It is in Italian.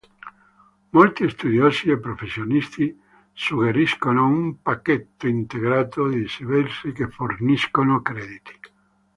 Molti studiosi e professionisti suggeriscono un pacchetto integrato di servizi che forniscono crediti.